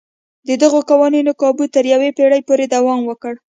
دغو قوانینو کابو تر یوې پېړۍ پورې دوام وکړ.